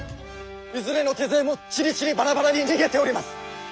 いずれの手勢もちりちりバラバラに逃げております！